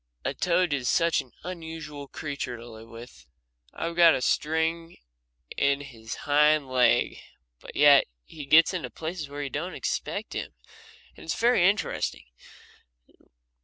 A toad is such an unusual creature to live with. I've got a string to his hind leg, but yet he gets into places where you don't expect him, and it's very interesting.